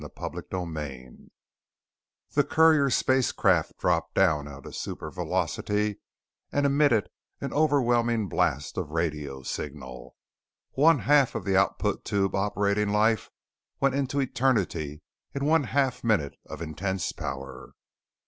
CHAPTER 17 The courier spacecraft dropped down out of supervelocity and emitted an overwhelming blast of radio signal. One half of the output tube operating life went into Eternity in one half minute of intense power.